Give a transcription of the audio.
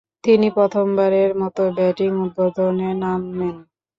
তিনি প্রথমবারের মতো ব্যাটিং উদ্বোধনে নামেন।